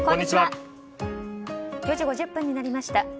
４時５０ふんになりました。